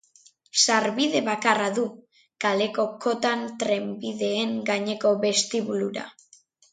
Sarbide bakarra du, kaleko kotan trenbideen gaineko bestibulura.